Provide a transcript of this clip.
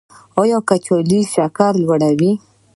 ایا کچالو شکر لوړوي؟